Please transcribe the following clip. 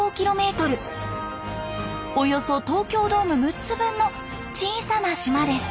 およそ東京ドーム６つ分の小さな島です。